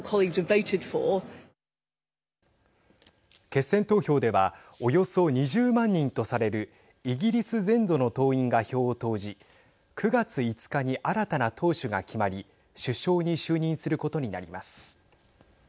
決選投票ではおよそ２０万人とされるイギリス全土の党員が票を投じ９月５日に新たな党首が決まり首相に就任することになります。